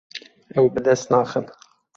Ew bi dest naxin.